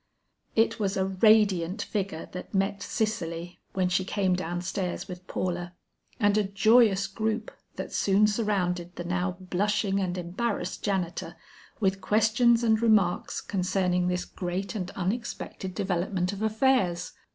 It was a radiant figure that met Cicely, when she came down stairs with Paula, and a joyous group that soon surrounded the now blushing and embarrassed janitor, with questions and remarks concerning this great and unexpected development of affairs.